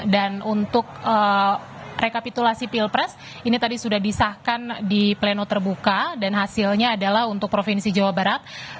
dan untuk rekapitulasi pilpres ini tadi sudah disahkan di pleno terbuka dan hasilnya adalah untuk provinsi jawa barat